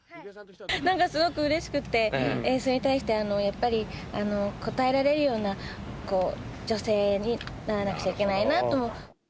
なんかすごくうれしくって、それに対して、やっぱり応えられるような女性にならなくちゃいけないなと。